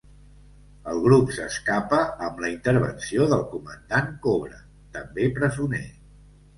El grup s'escapa amb la intervenció del Comandant Cobra, també presoner.